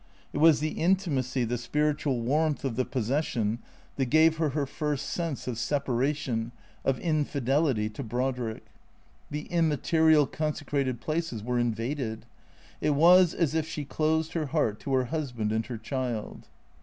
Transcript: It was the intimacy, the spiritual warmth of the possession that gave her her first sense of separation, of infidelity to Brodrick. The immaterial, consecrated places were invaded. It was as if she closed her heart to her husband and her child.